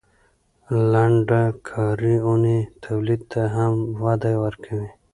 لنډه کاري اونۍ تولید ته هم وده ورکوي.